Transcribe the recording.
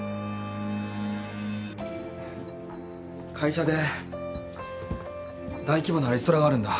会社で大規模なリストラがあるんだ。